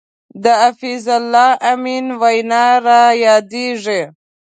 د حفیظ الله امین وینا را یادېږي.